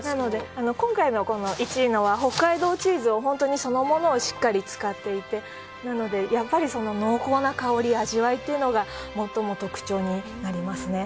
今回の１位のは北海道チーズをそのものをしっかり使っていてなので濃厚な香り、味わいというのが最も特徴になりますね。